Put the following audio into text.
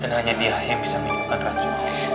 dan hanya dia yang bisa menjemputkan rajo